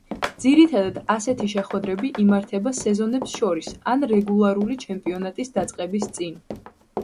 ძირითადად ასეთი შეხვედრები იმართება სეზონებს შორის ან რეგულარული ჩემპიონატის დაწყების წინ.